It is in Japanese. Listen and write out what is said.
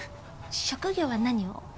職業は何を？